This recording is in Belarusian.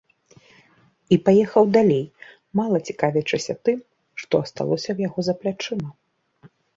І паехаў далей, мала цікавячыся тым, што асталося ў яго за плячыма.